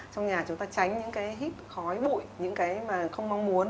trong nhà chúng ta tránh những cái hít khói bụi những cái mà không mong muốn